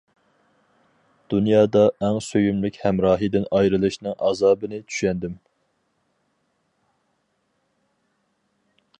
دۇنيادا ئەڭ سۆيۈملۈك ھەمراھىدىن ئايرىلىشنىڭ ئازابىنى چۈشەندىم.